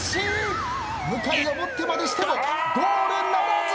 向井をもってまでしてもゴールならず。